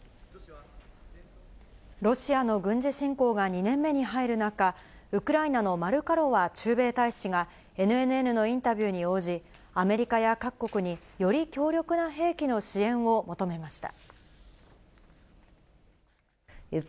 ロシアの軍事侵攻が２年目に入る中、ウクライナのマルカロワ駐米大使が、ＮＮＮのインタビューに応じ、アメリカや各国により強力な兵器の支援を求めました。